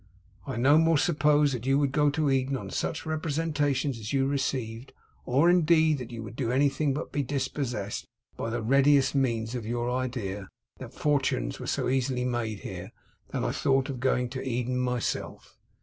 I no more supposed you would go to Eden on such representations as you received; or, indeed, that you would do anything but be dispossessed, by the readiest means, of your idea that fortunes were so easily made here; than I thought of going to Eden myself.